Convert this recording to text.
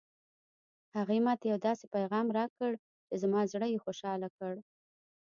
هغې ما ته یو داسې پېغام راکړ چې زما زړه یې خوشحاله کړ